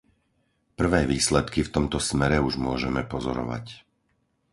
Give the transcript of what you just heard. Prvé výsledky v tomto smere už môžeme pozorovať.